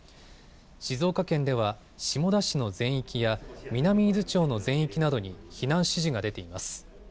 静岡県では下田市の全域や南伊豆町の全域などに避難指示が出ています。